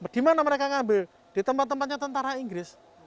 di mana mereka ngambil di tempat tempatnya tentara inggris